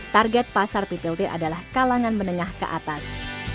target pasar pplt adalah kalangan menengah ke atas